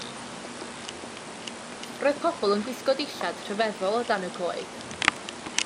Roedd pobl yn gwisgo dillad rhyfeddol o dan y coed.